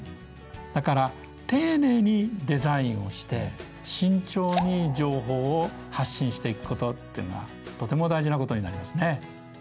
だから丁寧にデザインをして慎重に情報を発信していくことっていうのはとても大事なことになりますね。